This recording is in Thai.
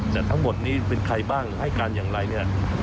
แต่ทั้งหมดนี้เป็นใครบ้างให้การอย่างไรเนี่ย